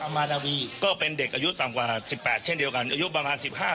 มาดาวีก็เป็นเด็กอายุต่ำกว่า๑๘เช่นเดียวกันอายุประมาณ๑๕